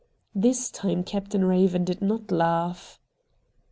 This time Captain Raven did not laugh.